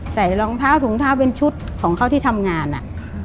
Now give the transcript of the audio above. ใส่รองเท้าถุงเท้าเป็นชุดของเขาที่ทำงานอ่ะ